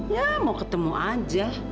ya mau ketemu aja